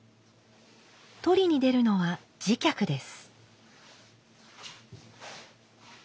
取りに出るのは次客です。